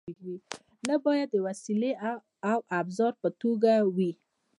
نه باید د وسیلې او ابزار په توګه وي.